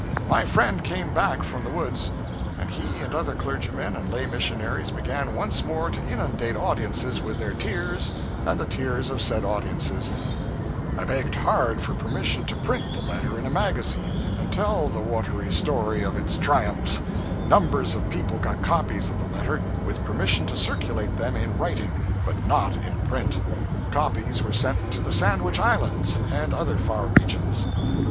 My friend came back from the woods, and he and other clergymen and lay missionaries began once more to inundate audiences with their tears and the tears of said audiences; I begged hard for permission to print the letter in a magazine and tell the watery story of its triumphs; numbers of people got copies of the letter, with permission to circulate them in writing, but not in print; copies were sent to the Sandwich Islands and other far regions.